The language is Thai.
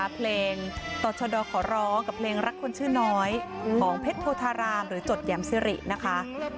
เพลงต่อชะดอขอร้องกับเพลงรักคนชื่อน้อยของเพชรโพธารามหรือจดแยมซิรินะคะ